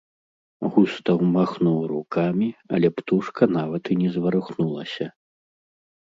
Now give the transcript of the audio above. Густаў махнуў рукамі, але птушка нават і не зварухнулася.